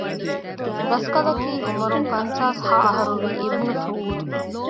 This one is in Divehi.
ރަސްކަލަކީ އުމުރުން ފަންސާސް ހަ އަހަރުވީ އިބްނު ސުޢޫދު